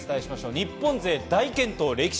日本勢、大健闘です。